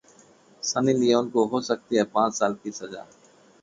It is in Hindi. सनी लियोन को हो सकती है पांच साल की सजा